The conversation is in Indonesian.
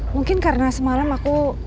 mungkin karena semalam aku